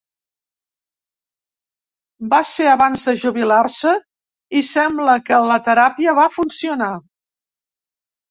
Va ser abans de jubilar-se i sembla que la teràpia va funcionar.